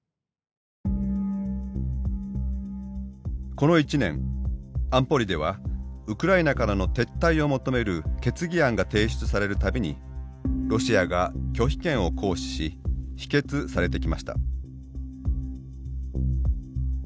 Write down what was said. この１年安保理ではウクライナからの撤退を求める決議案が提出される度にロシアが拒否権を行使し否決されてきました。